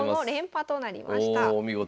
お見事。